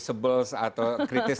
sebel atau kritis